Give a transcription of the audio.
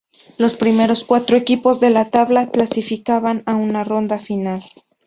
Los primeros cuatro equipos de la tabla clasificaban a una ronda final.